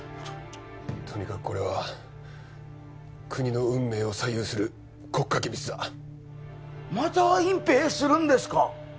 とにかくこれは国の運命を左右する国家機密だまた隠蔽するんですか？